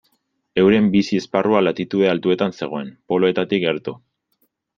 Euren bizi esparrua latitude altuetan zegoen, poloetatik gertu.